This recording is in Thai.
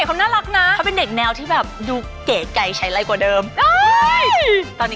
เขามีเสน่ห์เขาน่ารักนะ